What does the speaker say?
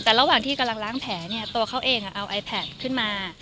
แต่ระหว่างที่กำลังล้างแผลเนี่ยตัวเขาเองเอาไอแพทขึ้นมา